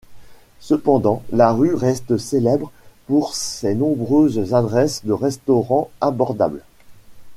Cependant, la rue reste célèbre pour ses nombreuses adresses de restaurants abordables.